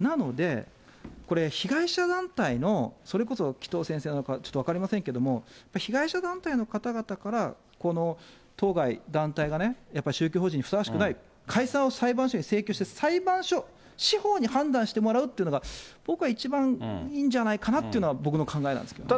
なので、被害者団体の、それこそ紀藤先生の、ちょっと分かりませんけれども、被害者団体の方々からこの当該団体がね、やっぱり宗教法人にふさわしくない、解散を裁判所に請求して、裁判所、司法に判断してもらうというのが、僕は一番、いいんじゃないかなというのは僕の考えなんですけね。